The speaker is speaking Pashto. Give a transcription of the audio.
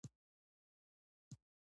په خرما کې طبیعي فایبرونه شته.